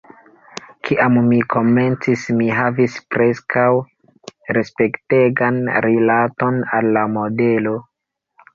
Kiam mi komencis, mi havis preskaŭ respektegan rilaton al la modelo.